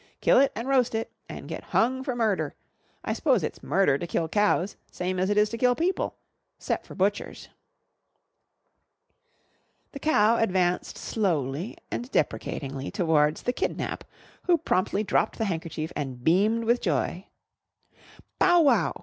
Kill it an' roast it an' get hung for murder. I s'pose it's murder to kill cows same as it is to kill people 'cept for butchers." The cow advanced slowly and deprecatingly towards the "kidnap," who promptly dropped the handkerchief and beamed with joy. "Bow wow!"